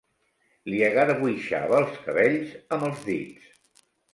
Li agarbuixava els cabells amb els dits.